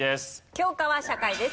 教科は社会です。